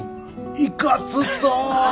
いかつそう。